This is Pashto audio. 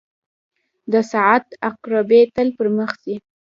• د ساعت عقربې تل پر مخ ځي.